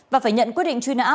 và phải nhận quyết định truy nã